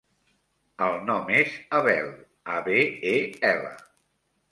El nom és Abel: a, be, e, ela.